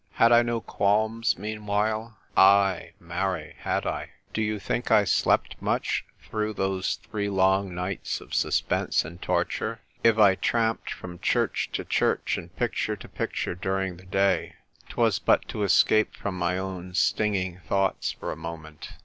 Had I no qualms meanwhile ? Aye, marry, had I ? Do you think I slept much through those three long nights of suspense and torture ? If I tramped from church to church and picture to picture during the day, 'twas but to escape from my own stinging thoughts for a moment.